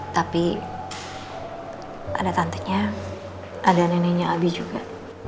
tapi ada tante nya ada neneknya abi juga